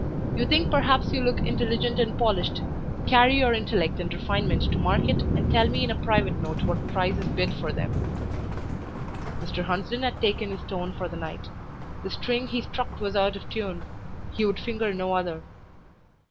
You think perhaps you look intelligent and polished; carry your intellect and refinement to market, and tell me in a private note what price is bid for them." Mr. Hunsden had taken his tone for the night; the string he struck was out of tune, he would finger no other.